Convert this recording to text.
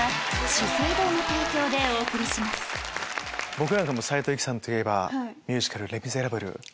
僕は斉藤由貴さんといえばミュージカル『レ・ミゼラブル』。